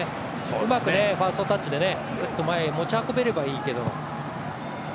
うまくファーストタッチでグッと前へ持ち運べればいいけど。